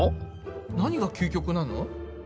何が究極なの？